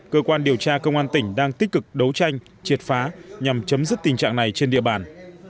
cơ quan điều tra công an tỉnh đang tích cực đấu tranh triệt phá nhằm chấm dứt tình trạng này trên địa bàn